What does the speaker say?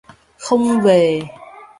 Không Về